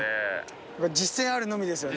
実践あるのみですよね。